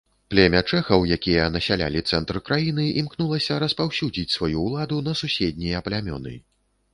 Племя чэхаў, якія насялялі цэнтр краіны, імкнулася распаўсюдзіць сваю ўладу на суседнія плямёны.